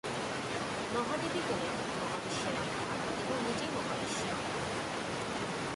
মহাদেবী হলেন মহাবিশ্বের আত্মা এবং নিজেই মহাবিশ্ব।